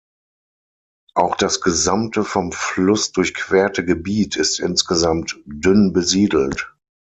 Auch das gesamte vom Fluss durchquerte Gebiet ist insgesamt dünn besiedelt.